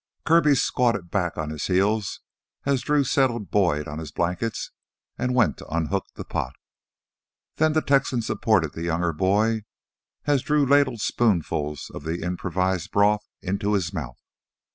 Kirby squatted back on his heels as Drew settled Boyd on his blankets and went to unhook the pot. Then the Texan supported the younger boy as Drew ladled spoonfuls of the improvised broth into his mouth.